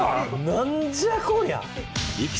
何じゃこりゃ！